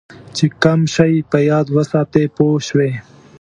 چې کم شی په یاد وساتې پوه شوې!.